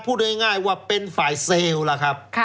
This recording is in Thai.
พูดง่ายว่าเป็นฝ่ายเซลล์ล่ะครับ